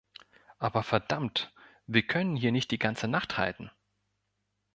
Aber verdammt, wir können hier nicht die ganze Nacht halten.